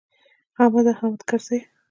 حامده! حامد کرزیه!